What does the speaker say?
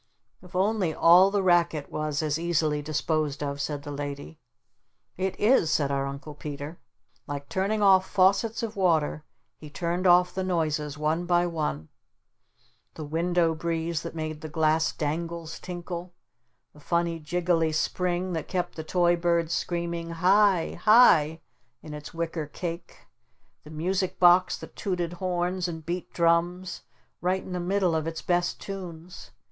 "If only all the racket was as easily disposed of!" said the Lady. "It IS!" said our Uncle Peter. Like turning off faucets of water he turned off the noises one by one, the window breeze that made the glass dangles tinkle, the funny jiggly spring that kept the toy bird screaming "Hi Hi" in its wicker cake, the music box that tooted horns and beat drums right in the middle of its best tunes!